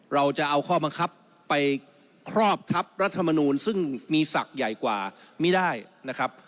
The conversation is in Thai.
เราจะเอาข้อบังคับไปครอบทับรัฐมนูลซึ่งมีศักดิ์ใหญ่กว่าไม่ได้นะครับ